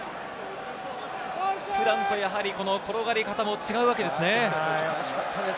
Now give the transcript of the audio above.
普段と転がり方も違うわけですね。